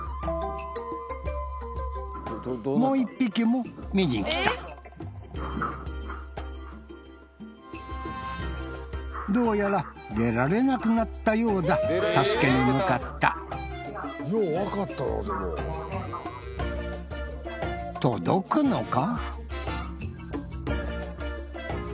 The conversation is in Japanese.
もう１匹も見に来たどうやら出られなくなったようだ助けに向かった届くのか？